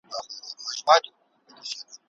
که انا لمونځ نه وای کړی هلک به نه ژړل.